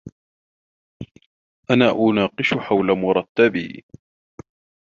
ان اناقش حول مرتبي.